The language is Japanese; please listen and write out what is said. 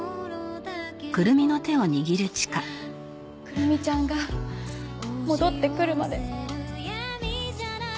くるみちゃんが戻ってくるまで。